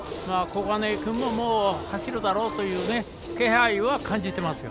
小金井君も走るだろうという気配は感じています。